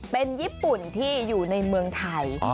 เป็นญี่ปุ่นที่อยู่ในเมืองไทย